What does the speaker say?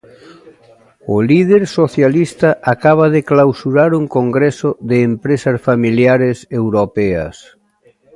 O líder socialista acaba de clausurar un congreso de empresas familiares europeas.